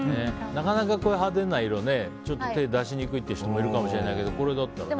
なかなか、こういう派手な色は手を出しにくいという人もいるかもしれないけどこれだったらね。